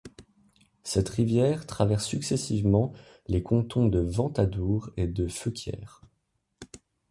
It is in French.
Cette rivière traverse successivement les cantons de Ventadour et de Feuquières.